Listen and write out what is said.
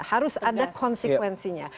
harus ada konsekuensinya